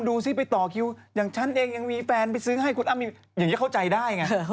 ดูสิไปต่อคิวอย่างฉันเองยังมีแฟนไปซื้อให้คุณอ้ำอย่างนี้เข้าใจได้ไง